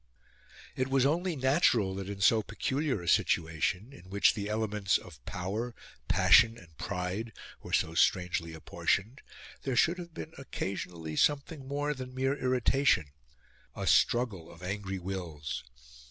It was only natural that in so peculiar a situation, in which the elements of power, passion, and pride were so strangely apportioned, there should have been occasionally something more than mere irritation a struggle of angry wills.